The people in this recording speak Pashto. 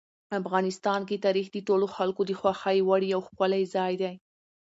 افغانستان کې تاریخ د ټولو خلکو د خوښې وړ یو ښکلی ځای دی.